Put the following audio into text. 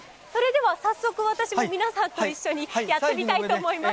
早速、私も皆さんと一緒にやってみたいと思います。